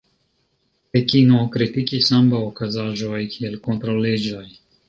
Pekino kritikis ambaŭ okazaĵoj kiel kontraŭleĝaj.